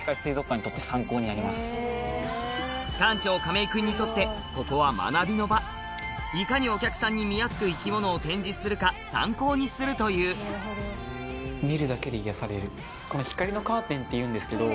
館長・亀井君にとってここはいかにお客さんに見やすく生き物を展示するか参考にするというホントに。